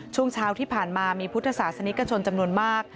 ช่วงเช้าที่ผ่านมามีพุทธศาสนิกชนจำนวนมาก